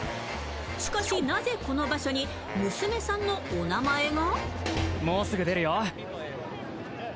しかし、なぜこの場所に娘さんのお名前が？